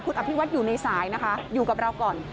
คุณอภิวัติอยู่ในสายนะคะอยู่กับเราก่อน